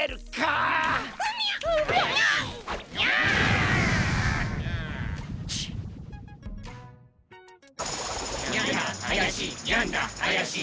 あやしい。